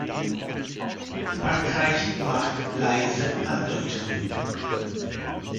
Frankreich macht leise Andeutungen.